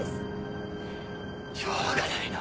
しょうがないな。